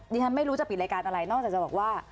ฉันไม่รู้จะปิดรายการอะไรนอกจากจะบอกว่า